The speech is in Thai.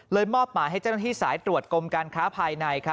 มอบหมายให้เจ้าหน้าที่สายตรวจกรมการค้าภายใน